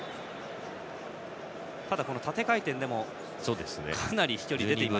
ただ縦回転でもかなり飛距離が出ています。